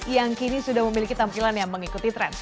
yang kini sudah memiliki tampilan yang mengikuti tren